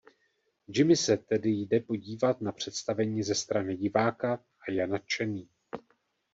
Jimmy se tedy jde podívat na představení ze strany diváka a je nadšený.